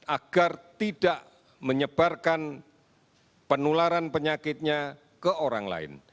agar tidak menyebarkan penularan penyakitnya ke orang lain